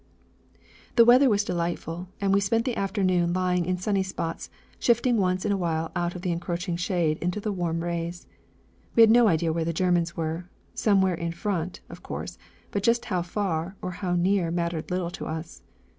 The weather was delightful, and we spent the afternoon lying in sunny spots, shifting once in a while out of the encroaching shade into the warm rays. We had no idea where the Germans were somewhere in front, of course, but just how far or how near mattered little to us.